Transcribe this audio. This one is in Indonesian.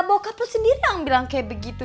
bokap lo sendiri yang bilang kayak begitu